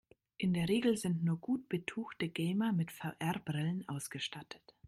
In der Regel sind nur gut betuchte Gamer mit VR-Brillen ausgestattet.